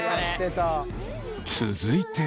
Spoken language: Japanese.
続いて。